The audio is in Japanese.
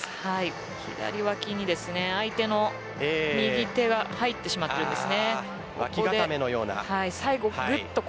左脇に相手の右手が入ってしまっています。